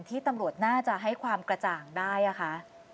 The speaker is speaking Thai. ที่ตำรวจน่าจะให้ความกระจ่างได้ค่ะ